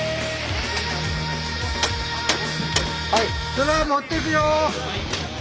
トラ持ってくよ！